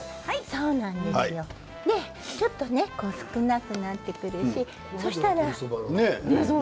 ちょっと少なくなってくるしそうしたら。